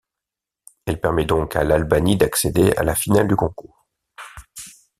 Elle permet donc à l'Albanie d'accéder à la finale du concours.